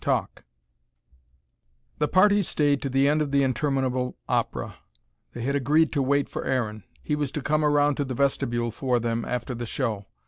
TALK The party stayed to the end of the interminable opera. They had agreed to wait for Aaron. He was to come around to the vestibule for them, after the show.